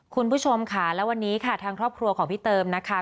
คุณผู้ชมค่ะและวันนี้ค่ะทางครอบครัวของพี่เติมนะคะ